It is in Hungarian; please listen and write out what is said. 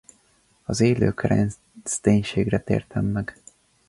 Az élő kereszténységre tértem meg.